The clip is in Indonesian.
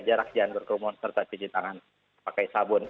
jarak jangan berkerumun serta cuci tangan pakai sabun